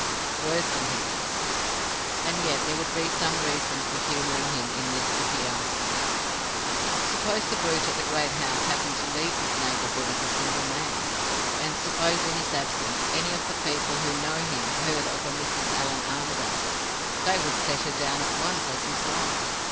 Worse than hideous! "And yet there would be some reason for humoring him in this if he asked me. "Suppose the brute at the great house happened to leave this neighborhood as a single man; and suppose, in his absence, any of the people who know him heard of a Mrs. Allan Armadale, they would set her down at once as his wife.